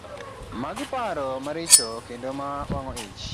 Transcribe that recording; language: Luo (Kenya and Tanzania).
Magi paro maricho kendo ma wang'o ich.